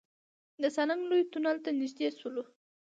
د سالنګ لوی تونل ته نزدې شولو.